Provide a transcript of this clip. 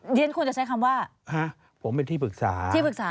เดี๋ยวนั้นคุณจะใช้คำว่าผมเป็นที่ปรึกษา